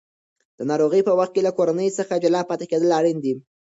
د ناروغۍ په وخت کې له کورنۍ څخه جلا پاتې کېدل اړین دي.